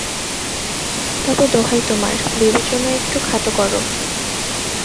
তবে দোহাই তোমার, বিবেচনা একটু খাটো করো।